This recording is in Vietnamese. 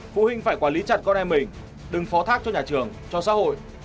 phụ huynh phải quản lý chặt con em mình đừng phó thác cho nhà trường cho xã hội